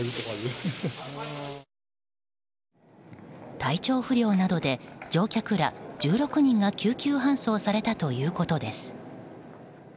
体調不良などで乗客ら１６人が救急搬送されたということです。